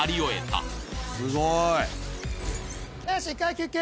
よし、１回休憩。